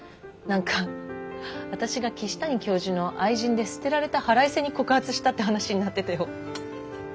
何か私が岸谷教授の愛人で捨てられた腹いせに告発したって話になってたよ。